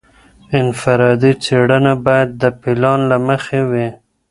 انفرادي څېړنه باید د پلان له مخي وي.